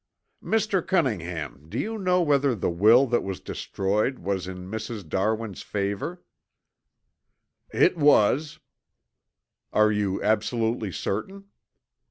"Mr. Cunningham, do you know whether the will that was destroyed was in Mrs. Darwin's favor?" "It was." "Are you absolutely certain?"